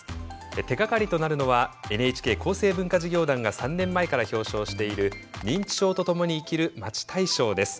手がかりとなるのはＮＨＫ厚生文化事業団が３年前から表彰している「認知症とともに生きるまち大賞」です。